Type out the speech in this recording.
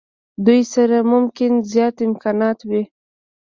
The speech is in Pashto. دوی سره ممکن زیات امکانات نه وي.